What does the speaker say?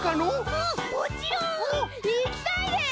うんもちろん！いきたいです！